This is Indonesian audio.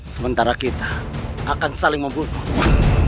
sementara kita akan saling membutuhkan